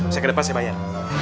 saya ke depan saya bayar